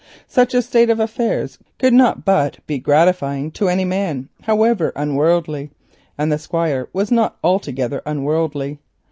Such a state of affairs could not but be gratifying to any man, however unworldly, and the Squire was not altogether unworldly.